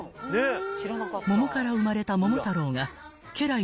［桃から生まれた桃太郎が家来の犬